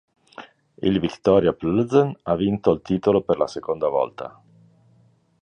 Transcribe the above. Il Viktoria Plzeň ha vinto il titolo per la seconda volta.